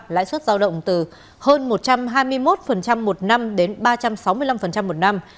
lãi suất giao động từ hơn một trăm hai mươi một một năm đến ba trăm sáu mươi năm một năm